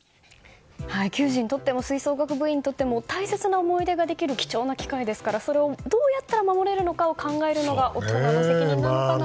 球児にとっても吹奏楽部員にとっても大切な思い出ができる貴重な機会ですからそれをどうやったら守れるのかを考えるのが大人の責任なのかなと。